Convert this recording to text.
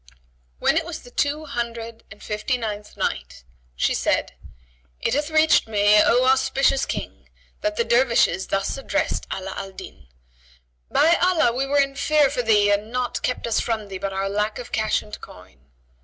When it was the Two Hundred and and Night, She said, It hath reached me, O auspicious King, that the Dervishes thus addressed Ala al Din, "By Allah, we were in fear for thee and naught kept us from thee but our lack of cash and coin."